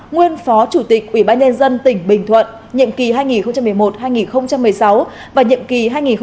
nguyên phó chủ tịch ubnd tỉnh bình thuận nhiệm kỳ hai nghìn một mươi một hai nghìn một mươi sáu và nhiệm kỳ hai nghìn một mươi sáu hai nghìn hai mươi một